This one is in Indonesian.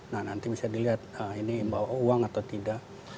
nah nanti bisa dilihat ini bawa uang atau tidak